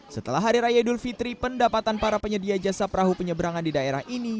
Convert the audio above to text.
setelah hari raya idul fitri pendapatan para penyedia jasa perahu penyeberangan di daerah ini